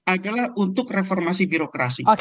adalah untuk reformasi birokrasi